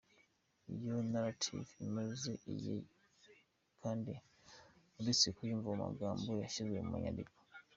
Iyo narrative imaze igihe kandi uretse kuyumva mu magambo yanashyizwe mu nyandiko.